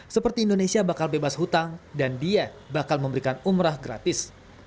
seperti indonesia bakal bebas hutang dan dia bakal memberikan umrah gratis